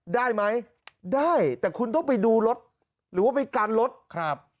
ได้ไหมได้แต่คุณต้องไปดูรถหรือว่าไปกันรถครับ